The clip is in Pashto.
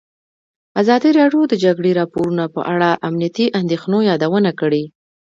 ازادي راډیو د د جګړې راپورونه په اړه د امنیتي اندېښنو یادونه کړې.